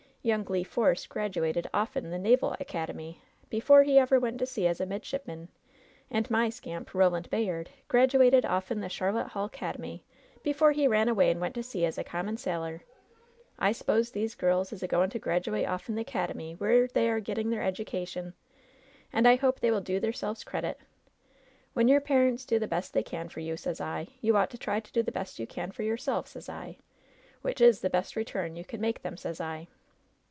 Yoimg Le Force graduated offen the Naval 'Cademy before he ever went to sea as a mid shipman, and my scamp, Roland Bayard, graduated offen the Charlotte Hall 'Cademy before he ran away and went to sea as a common sailor. I s'pose these girls is a going to graduate offen the 'cademy where they are getting their edication, and I hope they will do their selves credit. When your parents do the best they can for you, sez I, you ought to try to do the best you can for yourself, sez I, which is the best return you can make them, sez I.'